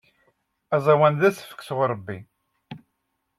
Aẓawan d asefk sɣur Ṛebbi.